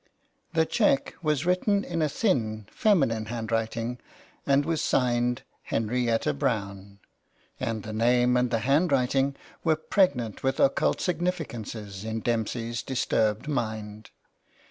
The cheque was written in a thin, feminine hand writing, and was signed " Henrietta Brown/* and the name and handwriting were pregnant with occult significances in Dempsey's disturbed mind.